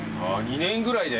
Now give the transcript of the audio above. ２年ぐらいで？